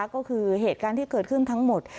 ก็คือเหตุการณ์ที่เกิดขึ้นทั้งหมด